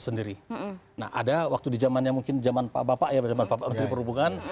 nah ada waktu di zamannya mungkin zaman pak bapak ya zaman pak menteri perhubungan